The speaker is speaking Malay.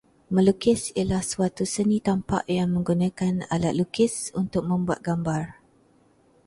Melukis ialah suatu seni tampak yang menggunakan alat lukis untuk membuat gambar